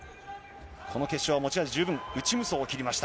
この決勝は持ち味十分、内無双を切りました。